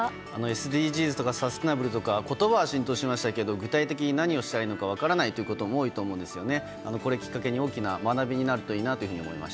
ＳＤＧｓとかサステナブルとか言葉は浸透しましたけど具体的に何をしたらいいのか分からないことが多いと思うんですよね。